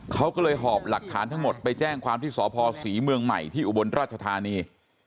เขาก็เลยหอบหลักฐานทั้งหมดไปแจ้งความที่สพศรีเมืองใหม่ที่อุบลราชธานี